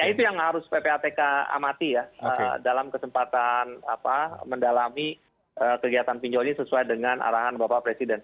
jadi kita harus ppatk amati ya dalam kesempatan mendalami kegiatan pinjol ini sesuai dengan arahan bapak presiden